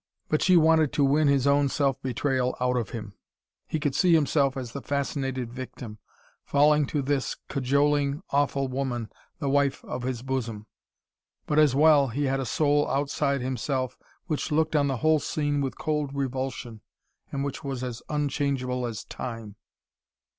But she wanted to win his own self betrayal out of him. He could see himself as the fascinated victim, falling to this cajoling, awful woman, the wife of his bosom. But as well, he had a soul outside himself, which looked on the whole scene with cold revulsion, and which was as unchangeable as time.